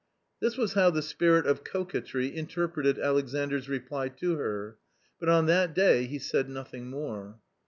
This was how the spirit of coquetry interpreted Alexandras reply to her, but on that day he said nothing more.